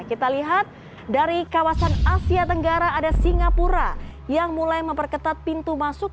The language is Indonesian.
kita lihat dari kawasan asia tenggara ada singapura yang mulai memperketat pintu masuk